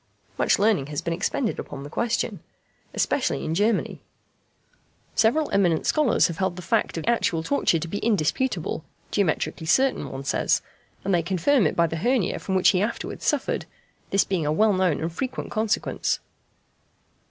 Much learning has been expended upon the question, especially in Germany. Several eminent scholars have held the fact of actual torture to be indisputable (geometrically certain, one says), and they confirm it by the hernia from which he afterwards suffered, this being a well known and frequent consequence.